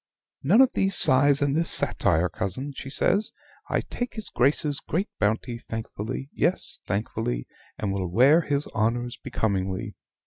"None of these sighs and this satire, cousin," she says. "I take his Grace's great bounty thankfully yes, thankfully; and will wear his honors becomingly.